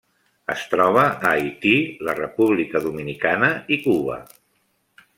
Es troba a Haití, la República Dominicana i Cuba.